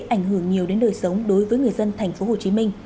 ảnh hưởng nhiều đến đời sống đối với người dân tp hcm